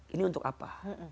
ini untuk apa